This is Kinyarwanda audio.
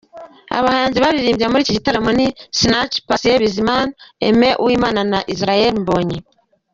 Abahanzi baririmbye muri iki gitaramo ni: Sinach, Patient Bizimana, Aime Uwimana na Israel Mbonyi.